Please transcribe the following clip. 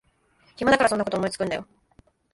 暇だからそんなこと思いつくんだよ